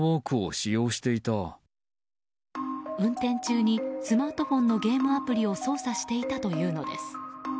運転中にスマートフォンのゲームアプリを操作していたというのです。